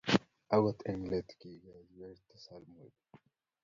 Ago eng Iet – kigochi werit Samuel